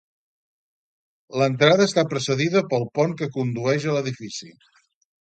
L'entrada està precedida pel pont que condueix a l'edifici.